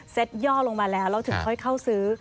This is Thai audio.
ย่อลงมาแล้วแล้วถึงค่อยเข้าซื้อ